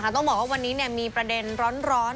ต้องบอกว่าวันนี้มีประเด็นร้อน